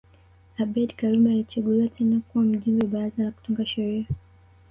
Abeid Karume alichaguliwa tena kuwa mjumbe wa baraza la kutunga sheria